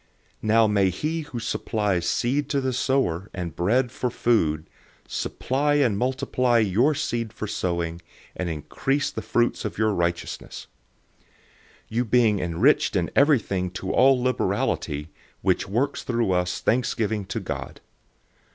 "{Psalm 112:9} 009:010 Now may he who supplies seed to the sower and bread for food, supply and multiply your seed for sowing, and increase the fruits of your righteousness; 009:011 you being enriched in everything to all liberality, which works through us thanksgiving to God.